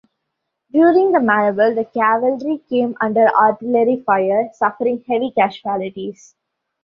During the maneuver the cavalry came under artillery fire, suffering heavy casualties.